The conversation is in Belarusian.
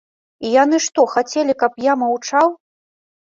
І яны што, хацелі, каб я маўчаў?